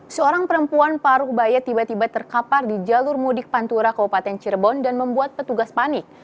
seorang perempuan paruh baya tiba tiba terkapar di jalur mudik pantura kabupaten cirebon dan membuat petugas panik